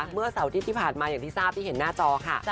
เมื่อเสาร์อาทิตย์ที่ผ่านมาอย่างที่ทราบที่เห็นหน้าจอค่ะ